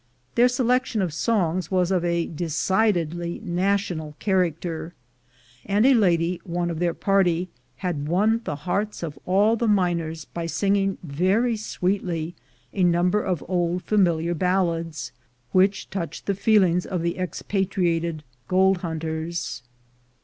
Their selection of songs was of a decidedly national character, and a lady, one of their party, had won the hearts of all the miners by singing very sweetly a number of old familiar ballads, which touched the feelings of the expatriated gold hunters.